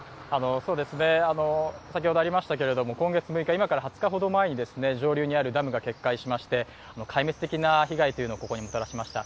今月６日、今から２０日ほど前に上流にあるダムが決壊しまして壊滅的な被害をここにもたらしました。